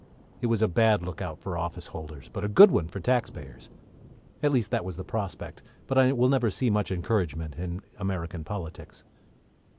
It was a bad look out for office holders, but a good one for tax payers. At least that was the prospect, but I never will see much encouragement in American politics.